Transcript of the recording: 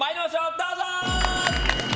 どうぞ。